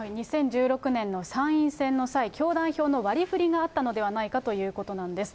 ２０１６年の参院選の際、教団票の割りふりがあったのではないかということなんです。